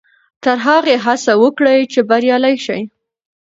تر هغې هڅه وکړئ چې بریالي شئ.